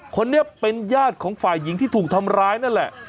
คนนี้เป็นญาติของฝ่ายหญิงที่ถูกทำร้ายนั่นแหละ